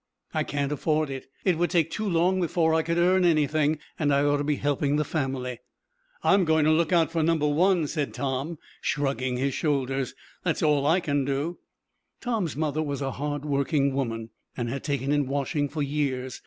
"I can't afford it. It would take too long before I could earn anything, and I ought to be helping the family." "I'm goin' to look out for number one," said Tom, shrugging his shoulders. "That's all I can do." Tom's mother was a hard working woman, and had taken in washing for years.